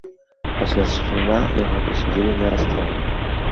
Пасля суда яго прысудзілі да расстрэлу.